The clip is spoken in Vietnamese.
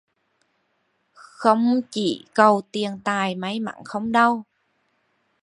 Không chỉ cầu Tiền tài may mắn không đâu